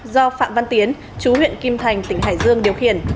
do phạm văn tiến chú huyện kim thành tỉnh hải dương điều khiển